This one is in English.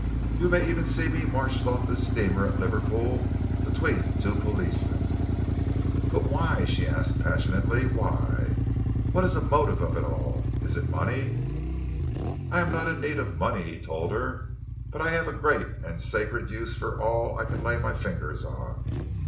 You may even see me marched off this steamer at Liverpool between two policemen." "But why?" she asked passionately. "Why? What is the motive of it all? Is it money?" "I am not in need of money," he told her, "but I have a great and sacred use for all I can lay my fingers on.